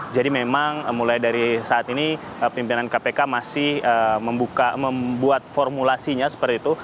jadi memang mulai dari saat ini pimpinan kpk masih membuat formulasinya seperti itu